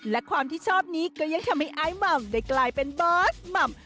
และความที่ชอบนี้ก็ยังทำให้ไอ้หม่ำได้กลายเป็นบอสหม่ำ